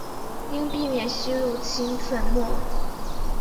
应避免吸入其粉末。